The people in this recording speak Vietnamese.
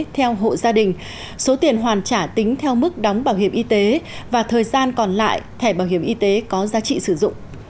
theo hộ gia đình số tiền hoàn trả tính theo mức đóng bảo hiểm y tế và thời gian còn lại thẻ bảo hiểm y tế có giá trị sử dụng